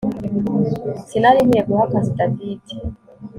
Sinari nkwiye guha akazi David